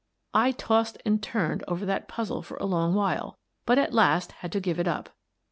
I tossed and turned over that puzzle for a long while, but at last had to give it up.